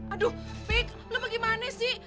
aduh pik lo bagaimana sih